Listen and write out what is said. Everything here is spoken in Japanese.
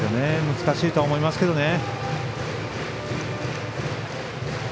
難しいとは思いますけどね。